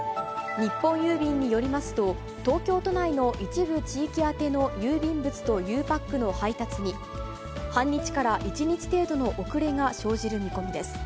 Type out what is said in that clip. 日本郵便によりますと、東京都内の一部地域宛ての郵便物とゆうパックの配達に、半日から１日程度の遅れが生じる見込みです。